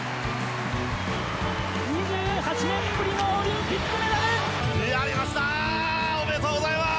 ２８年ぶりのオリンピックメダル！やりましたおめでとうございます！